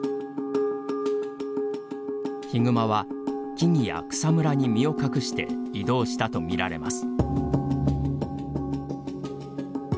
ヒグマは木々や草むらに身を隠して移動したとみられます。